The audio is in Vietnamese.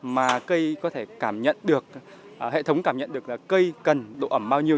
mà cây có thể cảm nhận được hệ thống cảm nhận được là cây cần độ ẩm bao nhiêu